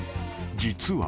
実は］